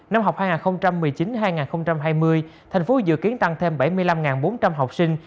năm học hai nghìn một mươi chín hai nghìn hai mươi thành phố dự kiến tăng thêm bảy mươi năm bốn trăm linh học sinh